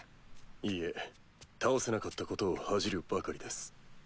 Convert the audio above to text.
いいえ倒せなかったことを恥じるばかりです。